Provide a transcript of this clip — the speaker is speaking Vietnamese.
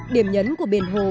điểm nhấn của biển hồ